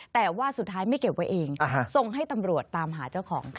แต่ว่าสุดท้ายไม่เก็บไว้เองส่งให้ตำรวจตามหาเจ้าของค่ะ